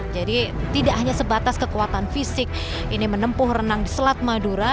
jadi tidak hanya sebatas kekuatan fisik ini menempuh renang di selat madura